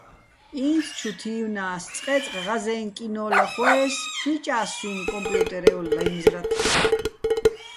ინც ჩუ თივნა́ს, წყე́წყ ღაზე́ჼ კინო́ ლახოე́ს, ჰ̦იჭა́ს სუჲნი̆ კომპიუტერევ, ლაჲმზრათ.